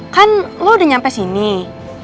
kan lo udah nyampe sini